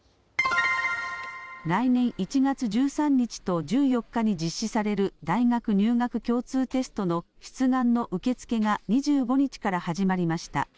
来年１月１３日と１４日に実施される大学入学共通テストの出願の受け付けが２５日から始まりました。